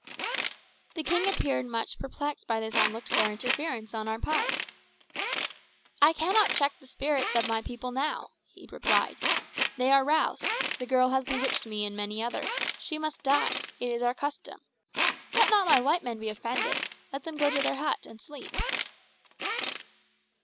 The king appeared much perplexed by this unlooked for interference on our part. "I cannot check the spirits of my people now," he replied. "They are roused. The girl has bewitched me and many others. She must die. It is our custom. Let not my white men be offended. Let them go to their hut and sleep."